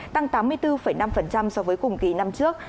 tăng tám mươi bốn năm so với cùng kỳ năm trước